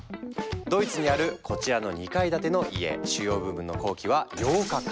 ドイツにあるこちらの２階建ての家主要部分の工期は８日間。